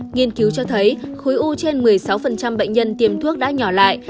nghiên cứu cho thấy khối u trên một mươi sáu bệnh nhân tiêm thuốc đã nhỏ lại